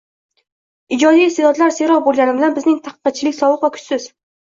Ijodiy iste’dodlar serob bo‘lgani bilan bizning tanqidchilik sovuq va kuchsiz